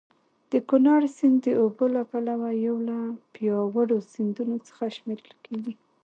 د کونړ سیند د اوبو له پلوه یو له پیاوړو سیندونو څخه شمېرل کېږي.